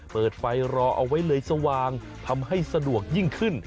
เปิดไฟรอเอาไว้เลยสว่างทำให้สะดวกยิ่งขึ้น